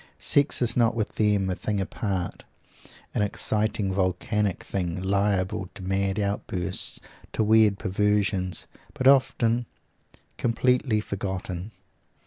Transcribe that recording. Sex is not with them a thing apart, an exciting volcanic thing, liable to mad outbursts, to weird perversions, but often completely forgotten.